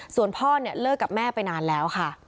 ส่วนพ่อเนี่ยเลิกกับแม่ไปนานแล้วค่ะ